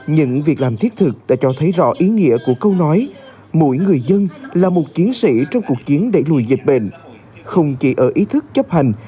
những việc làm thiết thực đã cho thấy rõ ý nghĩa của câu nói mỗi người dân là một chiến sĩ trong cuộc chiến đẩy lùi dịch bệnh không chỉ ở ý thức chấp hành